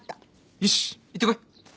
よし行ってこい。